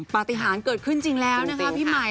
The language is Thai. ปฏิหารเกิดขึ้นจริงแล้วนะคะพี่ใหม่